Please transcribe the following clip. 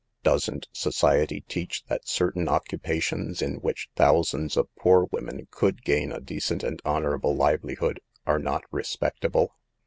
Doesn't society teach that certain occupations in which thousands of poor women could gain a decent and honorable , livelihood, are not respectable?"